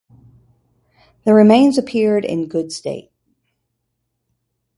The remains appeared in good state.